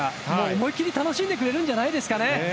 思い切り楽しんでくれるんじゃないですかね。